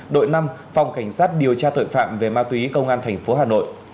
đội năm phòng cảnh sát điều tra tội phạm về ma túy công an thành phố hà nội